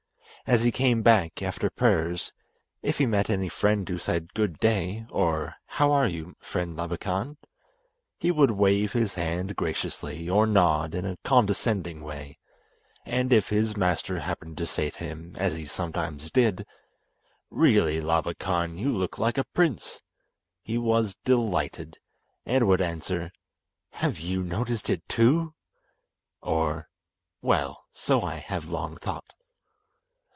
As he came back, after prayers, if he met any friend who said "Good day," or "How are you, friend Labakan?" he would wave his hand graciously or nod in a condescending way; and if his master happened to say to him, as he sometimes did, "Really, Labakan, you look like a prince," he was delighted, and would answer, "Have you noticed it too?" or "Well, so I have long thought."